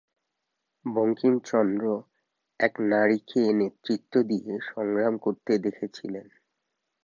বঙ্কিমচন্দ্র এক নারীকে নেতৃত্ব দিয়ে সংগ্রাম করতে দেখেছিলেন।